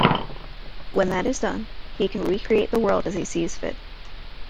When that is done, he can recreate the world as he sees fit.